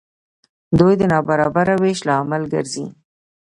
دوی د نابرابره وېش لامل ګرځي.